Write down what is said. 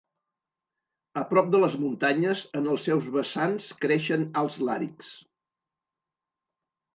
A prop de les muntanyes, en els seus vessants creixen alts làrixs.